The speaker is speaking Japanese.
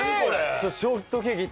ちょっと。